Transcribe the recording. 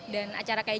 dan acara kayaknya